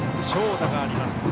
長打があります